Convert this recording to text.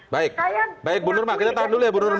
baik baik bu nurma kita tahan dulu ya bu nurma